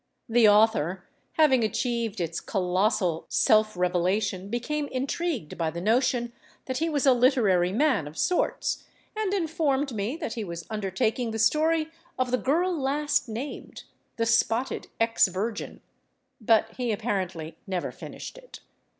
The author, having achieved its colossal self revelation, became intrigued by the notion that he was a literary man of sorts, and informed me that he was undertaking the story of the girl last named—the spotted ex virgin. But he apparently never finished it.